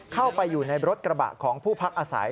เข้าไปอยู่ในรถกระบะของผู้พักอาศัย